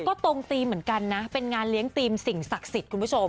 ก็ตรงธีมเหมือนกันนะเป็นงานเลี้ยงทีมสิ่งศักดิ์สิทธิ์คุณผู้ชม